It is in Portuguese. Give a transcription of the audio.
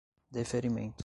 deferimento